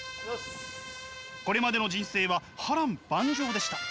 これまでの人生は波乱万丈でした。